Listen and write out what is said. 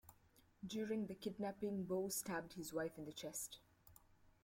During the kidnapping, Bowe stabbed his wife in the chest.